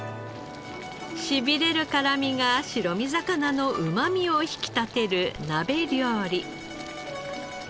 しびれる辛みが白身魚のうまみを引き立てる鍋料理。